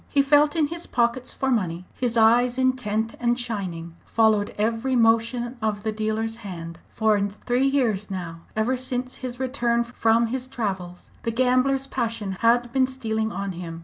He felt in his pockets for money; his eyes, intent and shining, followed every motion of the dealer's hand. For three years now, ever since his return from his travels, the gambler's passion had been stealing on him.